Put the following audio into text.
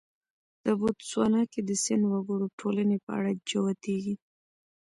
د بوتسوانا کې د سن وګړو ټولنې په اړه جوتېږي.